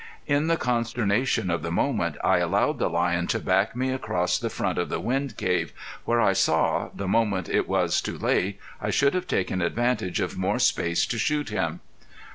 In the consternation of the moment I allowed the lion to back me across the front of the wind cave, where I saw, the moment it was too late, I should have taken advantage of more space to shoot him.